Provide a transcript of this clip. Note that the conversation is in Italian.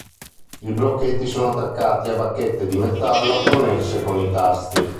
I blocchetti sono attaccati a bacchette di metallo connesse con i tasti.